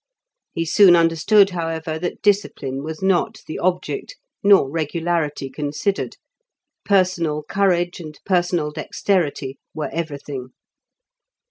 He soon understood, however, that discipline was not the object, nor regularity considered; personal courage and personal dexterity were everything.